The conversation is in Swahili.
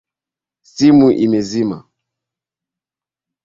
Simu imezima